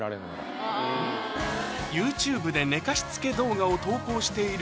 ＹｏｕＴｕｂｅで寝かしつけ動画を投稿している